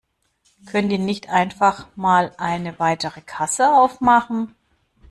Können die nicht einfach mal eine weitere Kasse aufmachen?